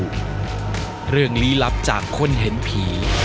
ครับผม